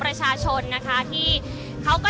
อาจจะออกมาใช้สิทธิ์กันแล้วก็จะอยู่ยาวถึงในข้ามคืนนี้เลยนะคะ